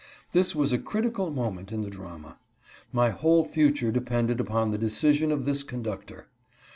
This was a critical moment in the drama. My whole future depended upon the decision of this conductor.